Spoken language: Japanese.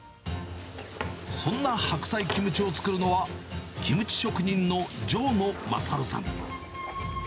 そんな白菜キムチを作るのは、キムチ職人の城野勝さん。